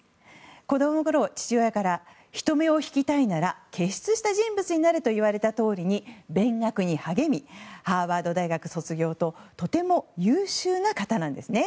子供のころ父親から人目を引きたいなら傑出した人物になれと言われたとおりに勉学に励みハーバード大学卒業ととても優秀な方なんですね。